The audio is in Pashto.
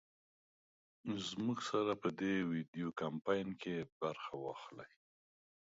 زمونږ سره په دې وېډيو کمپين کې برخه واخلۍ